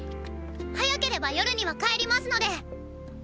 早ければ夜には帰りますのでーー。